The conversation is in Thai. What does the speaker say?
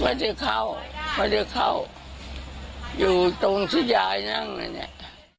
ไม่ได้เข้าไม่ได้เข้าอยู่ตรงที่ยายนั่งเลยเนี่ย